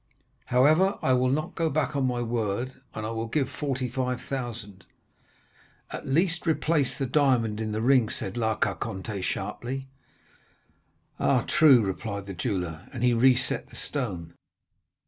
However, I will not go back on my word, and I will give 45,000.' "'At least, replace the diamond in the ring,' said La Carconte sharply. "'Ah, true,' replied the jeweller, and he reset the stone.